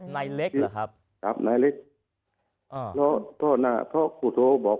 ไหนเหล็กหรือครับครับน่ะแล้วขอโทษหน่ะเพราะโครโตบอก